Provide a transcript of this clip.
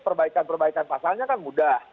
perbaikan perbaikan pasalnya kan mudah